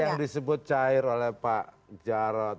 yang disebut cair oleh pak jarod